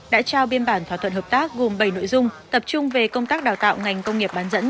đã trao biên bản thỏa thuận hợp tác gồm bảy nội dung tập trung về công tác đào tạo ngành công nghiệp bán dẫn